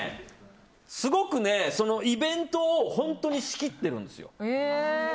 すごくイベントを本当に仕切ってるんですよ。